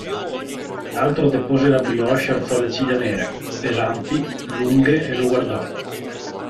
L'altro depose la brioche e alzò le ciglia nere, pesanti, lunghe e lo guardò.